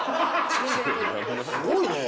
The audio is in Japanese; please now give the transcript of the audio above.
すごいね。